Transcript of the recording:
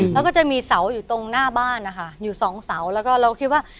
แล้วก็จะมีเสาอยู่ตรงหน้าบ้านนะคะอยู่สองเสาแล้วก็เราคิดว่า